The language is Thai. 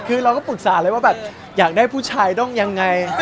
คือเราก็ปรึกษาเลยว่าแบบอยากได้ผู้ชายต้องยังไง